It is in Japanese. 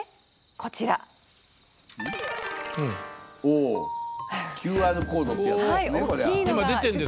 おっＱＲコードってやつですね